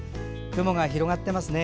雲が広がっていますね。